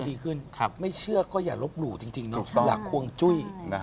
ดีขึ้นไม่เชื่อก็อย่าลบหลู่จริงอยากควงจุ้ย